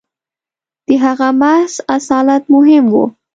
• د هغه محض اصالت مهم و.